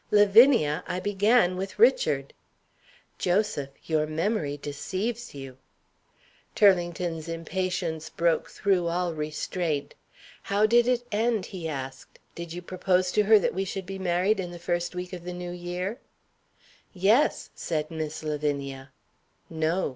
"Lavinia! I began with Richard." "Joseph! your memory deceives you." Turlington's impatience broke through all restraint. "How did it end?" he asked. "Did you propose to her that we should be married in the first week of the New Year?" "Yes!" said Miss Lavinia. "No!"